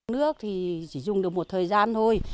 nước thì chỉ dùng được một thời gian thôi